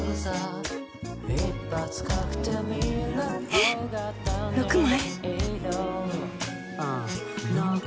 えっ６枚？